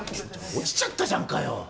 落ちちゃったじゃんかよ